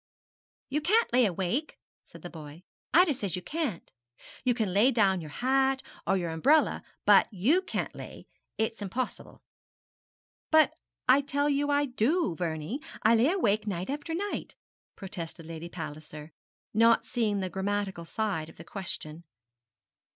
'You can't lay awake,' said the boy; 'Ida says you can't. You can lay down your hat or your umbrella, but you can't lay. It's impossible. 'But I tell you I do, Vernie; I lay awake night after night,' protested Lady Palliser, not seeing the grammatical side of the question.